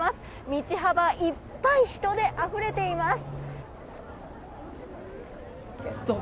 道幅いっぱい人であふれています。